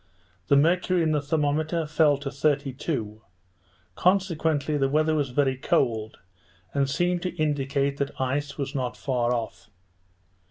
The mercury in the thermometer fell to thirty two; consequently the weather was very cold, and seemed to indicate that ice was not far off.